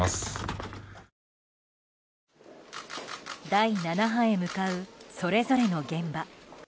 第７波へ向かうそれぞれの現場。